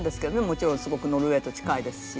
もちろんすごくノルウェーと近いですし。